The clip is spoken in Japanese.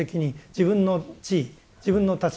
自分の地位自分の立場